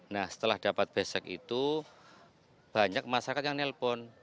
nah setelah dapat besek itu banyak masyarakat yang nelpon